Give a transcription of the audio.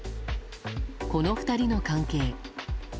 この２人の関係。